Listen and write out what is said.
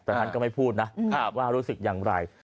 แต่ท่านก็ไม่พูดนะว่ารู้สึกอย่างไร